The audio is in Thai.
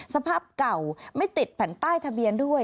สภาพเก่าไม่ติดแผ่นป้ายทะเบียนด้วย